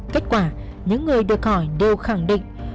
kết quả những người được hỏi đều khẳng định